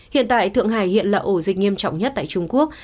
hiện tại thượng hải hiện là ổ dịch nghiêm trọng nhất tại trung quốc